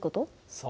そう。